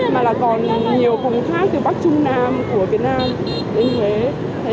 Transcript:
mà là còn nhiều vùng khác từ bắc trung nam của việt nam đến huế